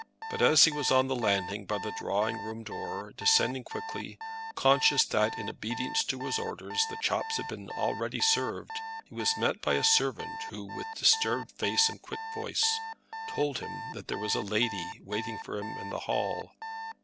But as he was on the landing, by the drawing room door, descending quickly, conscious that in obedience to his orders the chops had been already served, he was met by a servant who, with disturbed face and quick voice, told him that there was a lady waiting for him in the hall.